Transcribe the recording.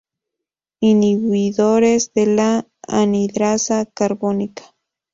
Inhibidores de la anhidrasa carbónica